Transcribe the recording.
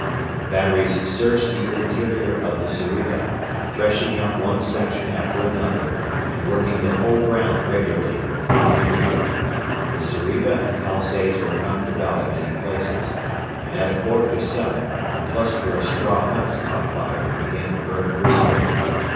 The batteries searched the interior of the zeriba, threshing out one section after another, and working the whole ground regularly from front to rear. The zeriba and palisades were knocked about in many places, and at a quarter to seven a cluster of straw huts caught fire and began to burn briskly.